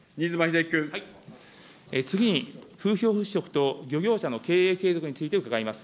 次に、風評払拭と漁業者の経営継続について伺います。